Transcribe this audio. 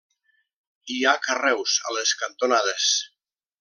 Hi ha carreus a les cantonades.